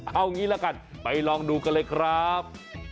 เอางี้ละกันไปลองดูกันเลยครับ